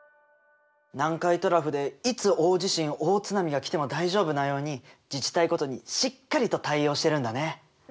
南海トラフでいつ大地震大津波が来ても大丈夫なように自治体ごとにしっかりと対応してるんだね。